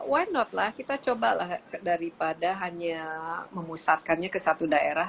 why not lah kita cobalah daripada hanya memusarkannya ke satu daerah